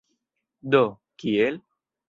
Do, kiel?